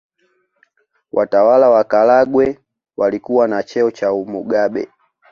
Watawala wa Karagwe walikuwa na cheo cha Umugabe